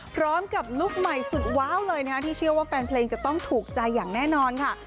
ลุคใหม่สุดว้าวเลยนะคะที่เชื่อว่าแฟนเพลงจะต้องถูกใจอย่างแน่นอนค่ะ